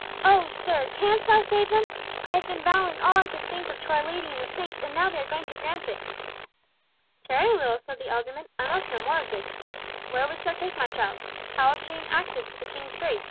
"Oh! sir, canst thou save them? I have been vowing all I could think of to our Lady and the saints, and now they are going to grant it!" "Tarry a little," said the alderman. "I must know more of this. Where wouldst thou take my child? How obtain access to the King's Grace?"